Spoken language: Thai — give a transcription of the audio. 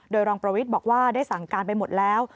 โดยรองประวิทย์บอกว่าได้สั่งการไปหมดแล้ว